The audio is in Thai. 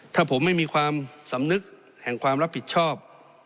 ถ้าผมไม่มีความสำนึกแห่งความรับผิดชอบ